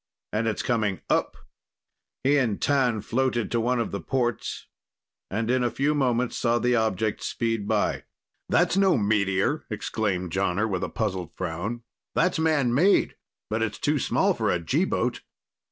and it's coming up!" He and T'an floated to one of the ports, and in a few moments saw the object speed by. "That's no meteor!" exclaimed Jonner with a puzzled frown. "That's man made. But it's too small for a G boat."